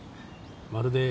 まるで。